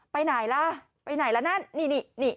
ไปไหนล่ะไปไหนละนั่นนี่นี่